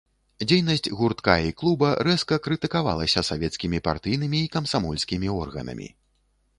Дзейнасць гуртка і клуба рэзка крытыкавалася савецкімі партыйнымі і камсамольскімі органамі.